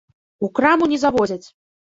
У краму не завозяць.